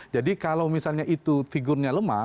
jadi kalau misalnya itu figurnya lemah